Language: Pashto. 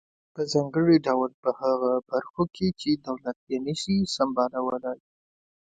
په ځانګړي ډول په هغه برخو کې چې دولت یې نشي سمبالولای.